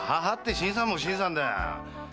新さんも新さんだよ！